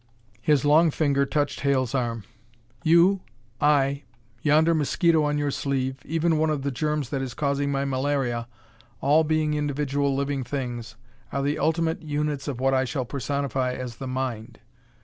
His long finger touched Hale's arm. "You, I, yonder mosquito on your sleeve, even one of the germs that is causing my malaria, all being individual living things, are the ultimate units of what I shall personify as the Mind.